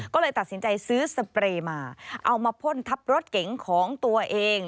ก็เลยตัดสินใจซื้อสเปรย์มาเอามาพ่นทับรถเก๋งของตัวเอง